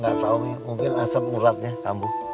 gak tau nih mungkin asap ulatnya kamu